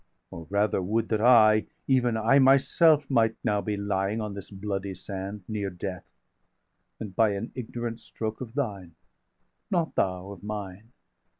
815 Or rather would that I, even I myself, Might now be lying on this bloody sand, Near death, and by an ignorant stroke of thine, Not thou of mine!